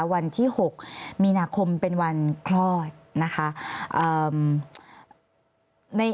วันที่๖มีนาคมเป็นวันคลอดนะคะ